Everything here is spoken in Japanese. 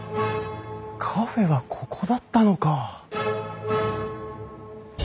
カフェはここだったのか。